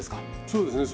そうですね